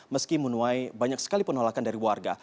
meski menuai banyak sekali penolakan dari warga